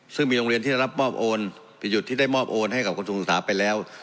ซึ่งมีโรงเรียนที่ได้รับมอบโอนไปหยุดที่ได้มอบโอนให้กับกระทรวงศึกษาไปแล้ว